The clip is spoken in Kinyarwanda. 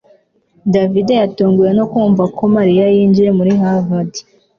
davide yatunguwe no kumva ko mariya yinjiye muri harvard